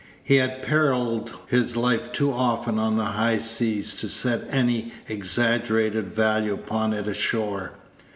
He had perilled his life too often on the high seas to set any exaggerated value upon it ashore.